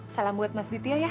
salam buat mas ditia ya